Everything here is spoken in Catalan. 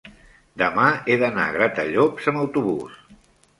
demà he d'anar a Gratallops amb autobús.